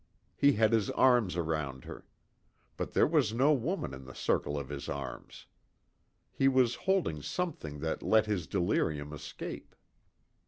He had his arms around her. But there was no woman in the circle of his arms. He was holding something that let his delirium escape.